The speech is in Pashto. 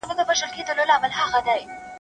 تر څو خلک ايمان پر راوړي.